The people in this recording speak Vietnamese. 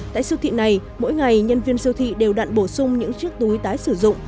tại siêu thị này mỗi ngày nhân viên siêu thị đều đặn bổ sung những chiếc túi tái sử dụng